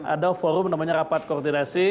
ada forum namanya rapat koordinasi